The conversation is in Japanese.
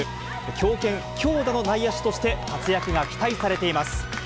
強肩、強打の内野手として、活躍が期待されています。